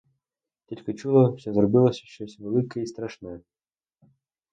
Тільки чула, що зробилося щось велике й страшне.